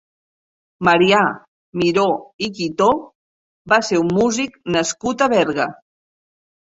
Marià Miró i Guitó va ser un músic nascut a Berga.